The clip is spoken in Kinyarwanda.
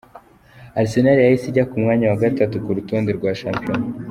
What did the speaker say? Arsenal yahise ijya ku mwanya wa gatatu ku rutonde rwa shampiyona.